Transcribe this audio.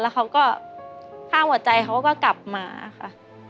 เขาก็ค่าหัวใจเขาก็กลับมาค่ะ